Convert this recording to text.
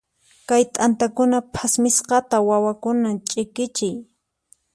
Kay t'antakuna phasmisqata wawakunaman ch'iqichiy.